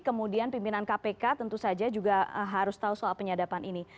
kemudian pimpinan kpk tentu saja juga harus tahu soal penyadapan ini